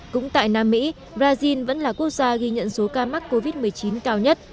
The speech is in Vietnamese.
cũng tại nam mỹ brazil vẫn là quốc gia ghi nhận số ca mắc covid một mươi chín cao nhất